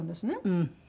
うん。